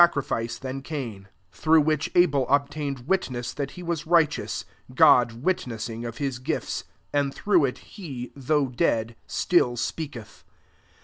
crifice than Cain; through which Mel obtained witness that he was righteous, God witness ing of his gifts : and through it he, though dead, still speaketh.